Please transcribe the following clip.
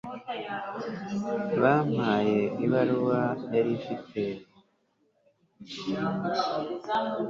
bampaye ibaruwa yari afite